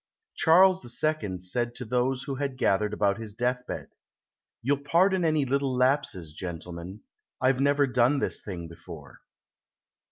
Charles II said to those who had gathered about his deathbed: "You'll pardon any little lapses, gentlemen. I've never done this thing before."